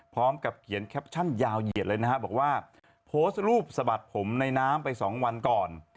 พร้อมกับเขียนแคปชั่นยาวเหยียดเลยนะฮะบอกว่าโพสต์รูปสะบัดผมในน้ำไปสองวันก่อน